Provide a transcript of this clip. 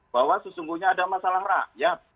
bahwa sesungguhnya ada masalah rakyat